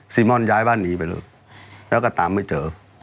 ม่อนย้ายบ้านหนีไปเลยแล้วก็ตามไม่เจอ